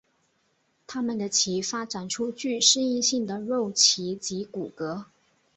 它们的鳍发展出具适应性的肉鳍及骨骼。